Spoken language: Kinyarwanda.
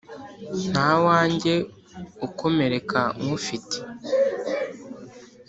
Ntawanjye ukomereka nywufite.